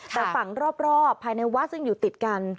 แต่ฝั่งรอบภายในวัดซึ่งอยู่ติดกัน